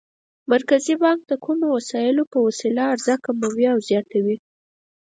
مرکزي بانک د کومو وسایلو په وسیله عرضه کموي او زیاتوي؟